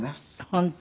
本当。